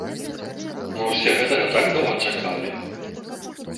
Мы ўсе гэтага так доўга чакалі!